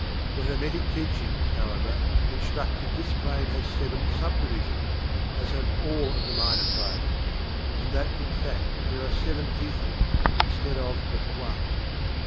The Hermetic Teachings, however, instruct that this plane has seven sub divisions (as have all of the Minor Planes), and that in fact there are seven ethers, instead of but one.